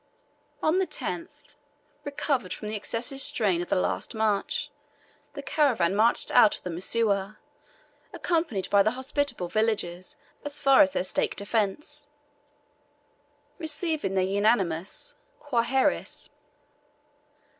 On the 10th, recovered from the excessive strain of the last march, the caravan marched out of Msuwa, accompanied by the hospitable villagers as far as their stake defence, receiving their unanimous "Kwaheris."